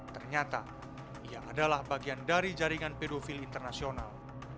ternyata ia adalah bagian dari jaringan pedofil internasional